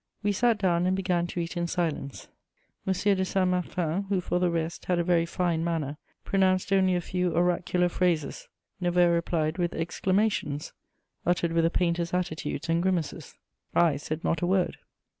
We sat down and began to eat in silence. M. de Saint Martin, who, for the rest, had a very fine manner, pronounced only a few oracular phrases. Neveu replied with exclamations, uttered with a painter's attitudes and grimaces. I said not a word.